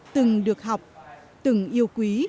từng được học từng yêu quý